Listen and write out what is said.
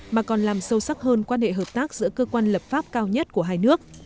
mà còn làm sâu sắc hơn quan hệ hợp tác giữa cơ quan lập pháp cao nhất của hai nước